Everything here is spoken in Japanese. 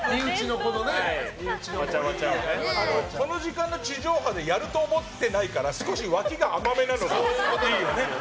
この時間の地上波でやると思ってないから少し脇が甘めなのがいいよね。